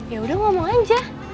yaudah ngomong aja